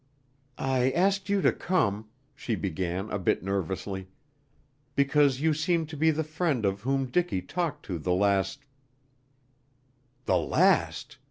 "I asked you to come," she began a bit nervously, "because you seemed to be the friend of whom Dicky talked to the last " "The last!"